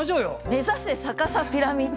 目指せ逆さピラミッド！